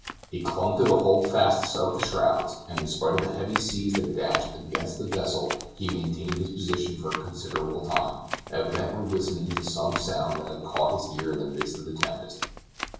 He clung to the holdfasts of the shrouds, and in spite of the heavy seas that dashed against the vessel he maintained his position for a considerable time, evidently listening to some sound that had caught his ear in the midst of the tempest.